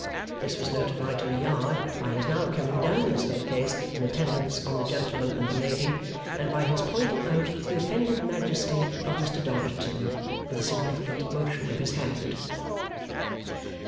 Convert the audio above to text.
This was notified to the yard by his now coming down the staircase in attendance on the gentleman and the lady, and by his pointing out the offended majesty of Mr Dorrit to them with a significant motion of his hand.